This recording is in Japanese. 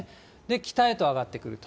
北へと上がってくると。